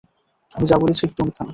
আমি যা বলেছি একটুও মিথ্যা না।